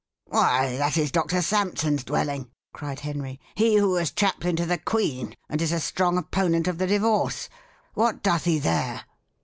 "Why, that is Doctor Sampson's dwelling," cried Henry; "he who was chaplain to the queen, and is a strong opponent of the divorce. What doth he there?"